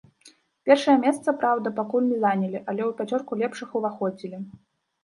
Першае месца, праўда, пакуль не занялі, але ў пяцёрку лепшых уваходзілі.